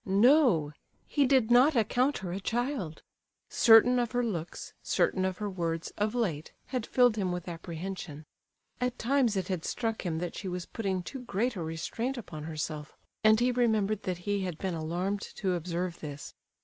No! he did not account her a child. Certain of her looks, certain of her words, of late, had filled him with apprehension. At times it had struck him that she was putting too great a restraint upon herself, and he remembered that he had been alarmed to observe this.